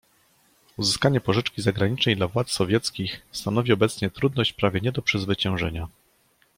"Uzyskanie pożyczki zagranicznej dla władz sowieckich stanowi obecnie trudność prawie nie do przezwyciężenia."